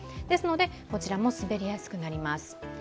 ですので、こちらも滑りやすくなります。